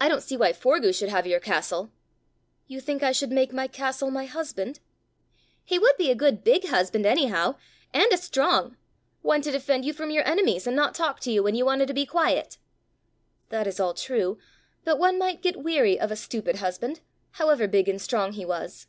I don't see why Forgue should have your castle!" "You think I should make my castle my husband?" "He would be a good big husband anyhow, and a strong one to defend you from your enemies, and not talk to you when you wanted to be quiet." "That is all true; but one might get weary of a stupid husband, however big and strong he was."